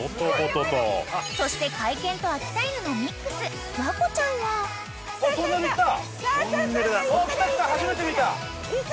［そして甲斐犬と秋田犬のミックス和恋ちゃんは］来た来た初めて見た。